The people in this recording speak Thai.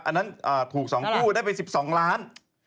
อันนั้นถูก๒คู่ได้ไป๑๒ล้าน